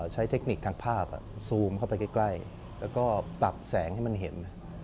เทคนิคทางภาพซูมเข้าไปใกล้แล้วก็ปรับแสงให้มันเห็น